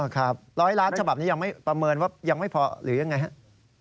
ครับ๑๐๐ล้านฉบับนี้ยังไม่ประเมินว่ายังไม่พอหรือยังไงครับ